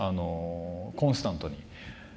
コンスタントに。